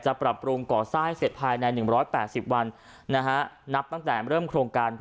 จะปรับปรุงก่อทรายเสร็จภายใน๑๘๐วันนะฮะนับตั้งแต่เริ่มโครงการ